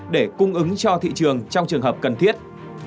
để cung ứng cho thị trường trong trường hợp cần thiết